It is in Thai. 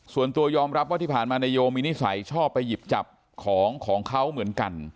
ส่วนตัวยอมรับว่าที่ผ่านมานายโยมีนิสัยชอบไปหยิบจับของของเขาเหมือนกัน